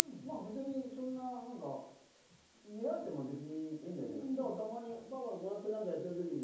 そんな見られても別にいいんだけど、たまにパパ、何やってるの？